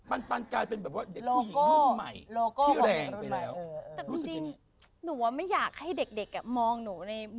ปันปันกลายเป็นแบบว่าเด็กผู้หญิงรุ่นใหม่